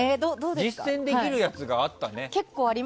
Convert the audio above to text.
実践できるやつがあったね。